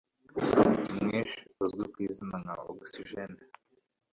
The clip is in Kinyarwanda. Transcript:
mwishi uzwi kwizina nka oxygene